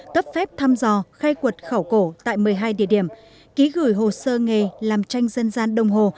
tấp phép thăm dò khai quật khảo cổ tại một mươi hai địa điểm ký gửi hồ sơ nghề làm tranh dân gian đồng hồ